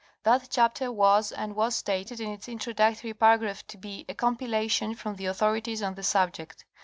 That chapter was and was stated in its introductory paragraph to be a compilation from the authorities on the subject.